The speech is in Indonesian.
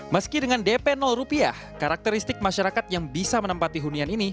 meski dengan dp rupiah karakteristik masyarakat yang bisa menempati hunian ini